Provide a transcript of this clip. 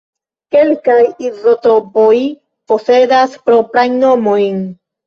Kelkaj izotopoj posedas proprajn nomojn.